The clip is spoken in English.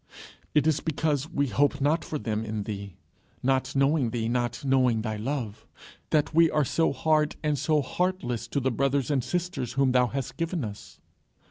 It is because we hope not for them in thee, not knowing thee, not knowing thy love, that we are so hard and so heartless to the brothers and sisters whom thou hast given us.